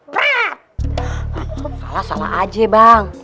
salah sama aji bang